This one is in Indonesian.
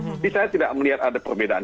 jadi saya tidak melihat ada perbedaan